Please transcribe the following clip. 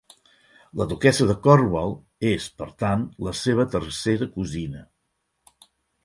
La duquessa de Cornwall és per tant la seva tercera cosina.